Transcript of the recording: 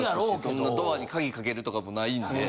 そんなドアに鍵かけるとかもないんで。